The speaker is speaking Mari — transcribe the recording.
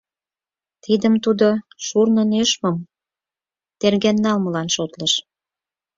Тидым тудо шурно нӧшмым терген налмылан шотлыш.